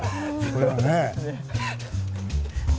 これはね。